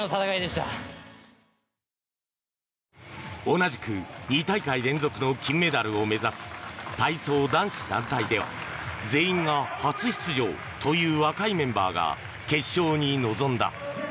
同じく２大会連続の金メダルを目指す体操男子団体では全員が初出場という若いメンバーが決勝に臨んだ。